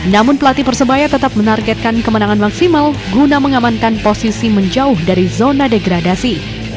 namun pelatih persebaya tetap menargetkan kemenangan maksimal guna mengamankan posisi menjauh dari zona degradasi